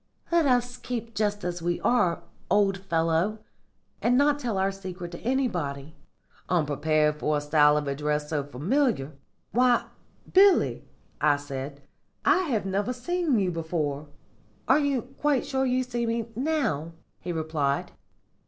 Let us keep just as we are, old fellow, and not tell our secret to anybody.' "Unprepared for a style of address so familiar, 'Why, Billy,' I said, 'I have never seen you before.' "'Are you quite sure you see me now?' he replied.